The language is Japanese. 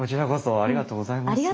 ありがとうございます。